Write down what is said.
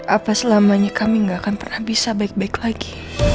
apa selamanya kami gak akan pernah bisa baik baik lagi